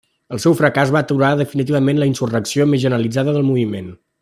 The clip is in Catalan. El seu fracàs va aturar definitivament la insurrecció més generalitzada del moviment.